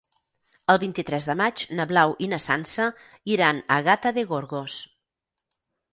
El vint-i-tres de maig na Blau i na Sança iran a Gata de Gorgos.